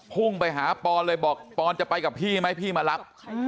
พุ่งไปหาปอนเลยบอกปอนจะไปกับพี่ไหมพี่มารับ